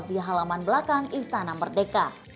di halaman belakang istana merdeka